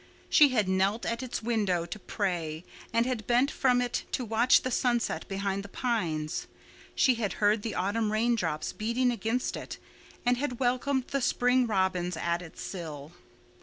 She had knelt at its window to pray and had bent from it to watch the sunset behind the pines. She had heard the autumn raindrops beating against it and had welcomed the spring robins at its sill.